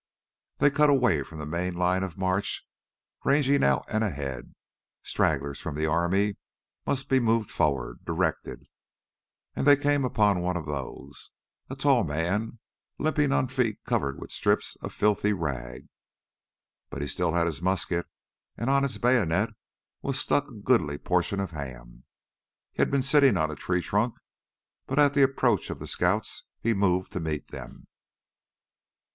They cut away from the main line of march, ranging out and ahead. Stragglers from the army must be moved forward, directed. And they came upon one of those, a tall man, limping on feet covered with strips of filthy rag. But he still had his musket, and on its bayonet was stuck a goodly portion of ham. He had been sitting on a tree trunk, but at the approach of the scouts he moved to meet them.